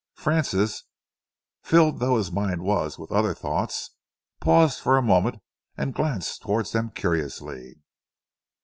Francis, filled though his mind was with other thoughts, paused for a moment and glanced towards them curiously.